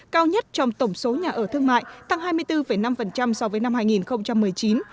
cao nhất trong tổng số nhà ở thương mại tăng hai mươi bốn năm so với năm hai nghìn một mươi chín